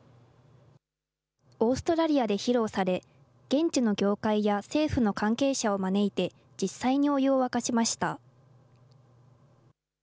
オーストラリアで披露され、現地の業界や政府の関係者を招いて、実際にお湯を沸かしました。